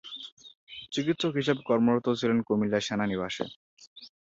চিকিৎসক হিসেবে কর্মরত ছিলেন কুমিল্লা সেনানিবাসে।